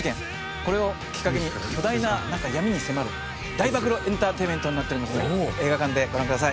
これをきっかけに巨大な闇に迫る大暴露エンターテインメントになっておりますので映画館でご覧ください。